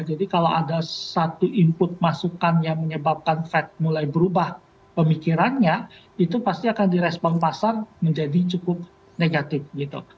jadi kalau ada satu input masukan yang menyebabkan fed mulai berubah pemikirannya itu pasti akan di respon pasar menjadi cukup negatif gitu